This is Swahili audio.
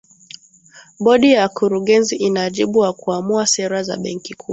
bodi ya wakurugenzi ina wajibu wa kuamua sera za benki kuu